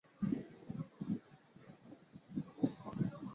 河鲈科为辐鳍鱼纲鲈形目的其中一个科。